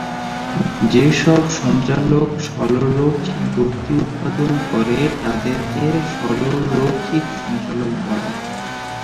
যেসব সঞ্চালক সরলরৈখিক গতি উৎপাদন করে, তাদেরকে সরলরৈখিক সঞ্চালক বলে।